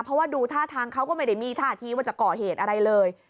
เพราะว่าดูท่าทางเขาก็ไม่ได้มีท่าทีว่าจะก่อเหตุอะไรเลย